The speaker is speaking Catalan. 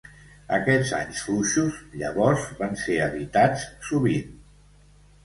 Aquests anys fluixos, llavors van ser evitats sovint.